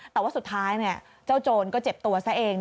แต่ว่าสุดท้ายเจ้าโจรก็เจ็บตัวซะเอง